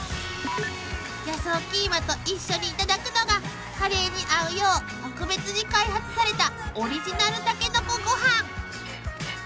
［野草キーマと一緒にいただくのがカレーに合うよう特別に開発されたオリジナルタケノコご飯］